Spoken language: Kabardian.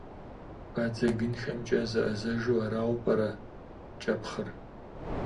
Бадзэгынхэмкӏэ зэӏэзэжу арауэ пӏэрэ кӏэпхъыр?